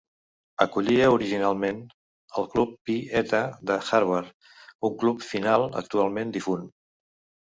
Acollia originalment el Club Pi Eta de Harvard, un club final actualment difunt.